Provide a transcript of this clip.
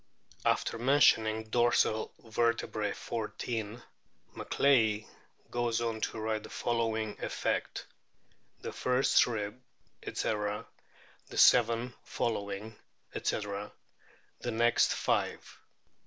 After mentioning " dorsal vertebrae 14 " Macleay goes on to write to the following effect :' The first rib, etc. ... the seven following, etc. ... the next five."